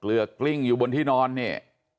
เหลือกลิ้งอยู่บนที่นอนเนี่ย